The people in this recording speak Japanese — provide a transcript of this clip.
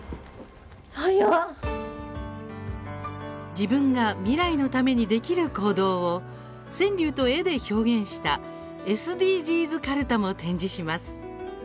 自分が未来のためにできる行動を川柳と絵で表現したＳＤＧｓかるたも展示します。